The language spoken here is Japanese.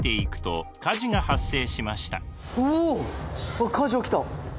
わっ火事起きた！